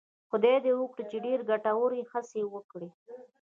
خدای دې وکړي چې ډېرې ګټورې هڅې وکړي.